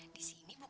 mas kita minta yuk